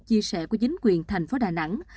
chia sẻ của chính quyền thành phố đà nẵng